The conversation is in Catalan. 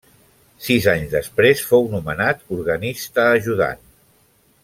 Sis anys després fou nomenat organista ajudant.